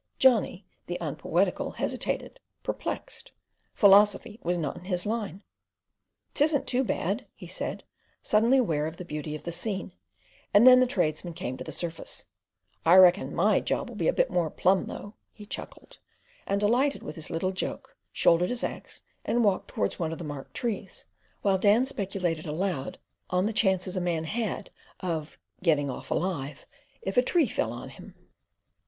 Johnny the unpoetical hesitated, perplexed. Philosophy was not in his line. "'Tisn't too bad," he said, suddenly aware of the beauty of the scene, and then the tradesman came to the surface. "I reckon MY job'll be a bit more on the plumb, though," he chuckled, and, delighted with his little joke, shouldered his axe and walked towards one of the marked trees, while Dan speculated aloud on the chances a man had of "getting off alive" if a tree fell on him.